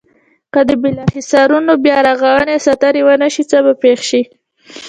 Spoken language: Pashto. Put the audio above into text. که د بالا حصارونو بیا رغونه او ساتنه ونشي څه به پېښ شي.